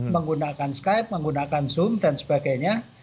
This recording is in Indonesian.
menggunakan skype menggunakan zoom dan sebagainya